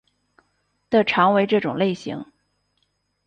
的常为这种类型。